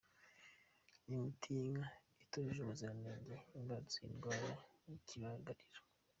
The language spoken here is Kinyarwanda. Imiti y’inka itujuje ubuziranenge imbarutso y’indwara y’ikibagarira